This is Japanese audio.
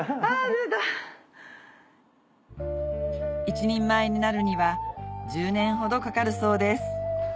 一人前になるには１０年ほどかかるそうです